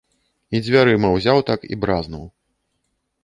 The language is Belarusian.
І дзвярыма ўзяў так, і бразнуў.